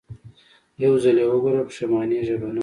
يو ځل يې وګوره پښېمانېږې به نه.